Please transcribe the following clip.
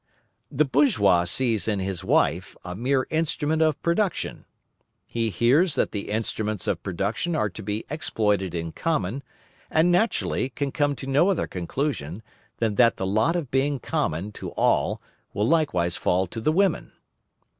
The bourgeois sees in his wife a mere instrument of production. He hears that the instruments of production are to be exploited in common, and, naturally, can come to no other conclusion than that the lot of being common to all will likewise fall to the women.